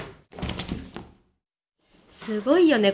すごいよね